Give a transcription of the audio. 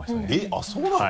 あっそうなの？